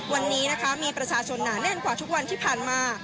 วันนี้นะคะมีประชาชนหนาแน่นกว่าทุกวันที่ผ่านมา